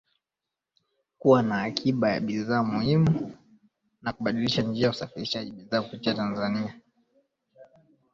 kuwa na akiba ya bidhaa muhimu na kubadilisha njia usafarishaji bidhaa kupitia Tanzania .